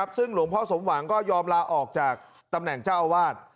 ซึ่งหลวงพ่อสมหวังก็ยอมลาออกจากตำแหน่งเจ้าอาวาส